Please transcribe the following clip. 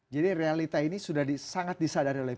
jadi realita ini sudah sangat disadari oleh p tiga